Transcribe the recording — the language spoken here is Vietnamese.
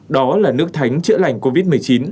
đó là nước thánh chữa lành covid một mươi chín